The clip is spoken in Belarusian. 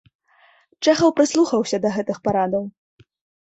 Чэхаў прыслухаўся да гэтых парадаў.